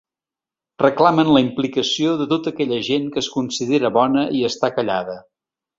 Reclamen la implicació de tota aquella gent que es considera bona i està callada.